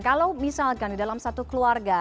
kalau misalkan dalam satu keluarga